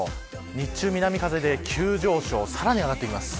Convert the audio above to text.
日中南風で急上昇さらに上がってきます。